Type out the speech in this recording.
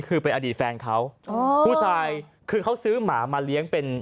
คือเป็นอดีตแฟนเขาอ๋อผู้ชายคือเขาซื้อหมามาเลี้ยงเป็น